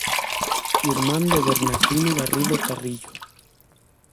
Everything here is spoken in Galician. Irmán de Bernardino Garrido Carrillo.